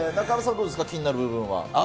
どうですか、気になる部分は。